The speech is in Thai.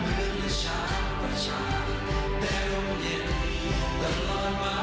ท่านคือพระราชาในรุ่นของภูมิประชาชาไทยภูมิสฤทธิ์ในหัวใจและรอดมา